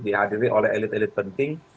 dihadiri oleh elit elit penting